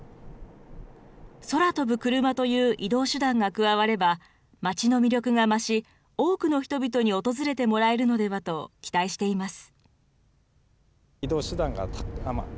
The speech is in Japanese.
空飛ぶクルマという移動手段が加われば、街の魅力が増し、多くの人々に訪れてもらえるのではと期待しています。